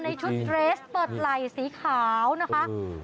ในชุดเรสเปิดไหล่สีขาวนะคะ